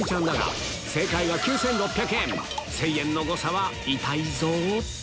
１０００円の誤差は痛いぞ